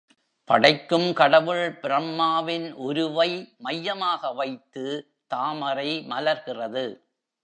படைக்கும் கடவுள் பிரம்மாவின் உருவை மையமாக வைத்து தாமரை மலர்கிறது.